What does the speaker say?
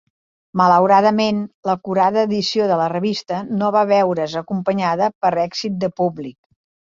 Malauradament, l'acurada edició de la revista no va veure's acompanyada per èxit de públic.